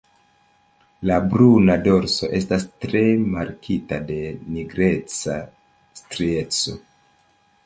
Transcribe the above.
La bruna dorso estas tre markita de nigreca strieco.